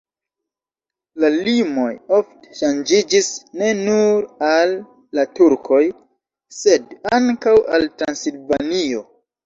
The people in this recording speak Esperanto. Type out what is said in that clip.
La limoj ofte ŝanĝiĝis ne nur al la turkoj, sed ankaŭ al Transilvanio.